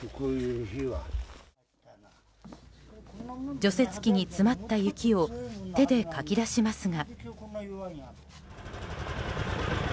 除雪機に詰まった雪を手でかき出しますが。